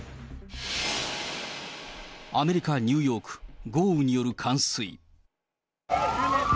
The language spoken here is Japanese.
アメリカ・ニューヨーク、豪雨による冠水。